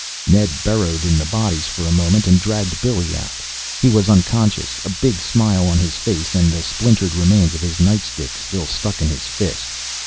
Ned burrowed in the bodies for a moment and dragged Billy out. He was unconscious. A big smile on his face and the splintered remains of his nightstick still stuck in his fist.